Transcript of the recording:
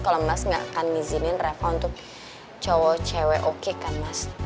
kalau mas nggak akan mengizinin reva untuk cowok cewek oke kan mas